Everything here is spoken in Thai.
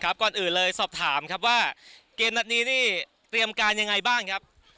ก่อนอื่นเลยสอบถามครับว่าเกมนัดนี้นี่เตรียมการยังไงบ้างครับ